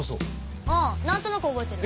あぁ何となく覚えてる。